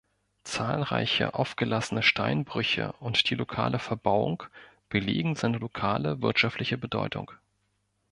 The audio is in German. Zahlreiche aufgelassene Steinbrüche und die lokale Verbauung belegen seine lokale wirtschaftliche Bedeutung.